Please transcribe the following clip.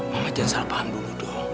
mama jangan salah paham dulu dong